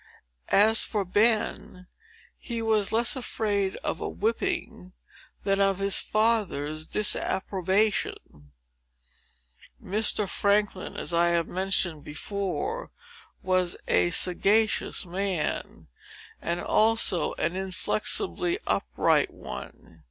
As for Ben, he was less afraid of a whipping than of his father's disapprobation. Mr. Franklin, as I have mentioned before, was a sagacious man, and also an inflexibly upright one.